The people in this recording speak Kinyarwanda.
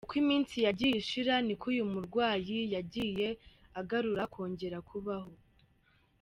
Uko iminsi yagiye ishira niko uyu murwayi yagiye agarura kongera kubaho.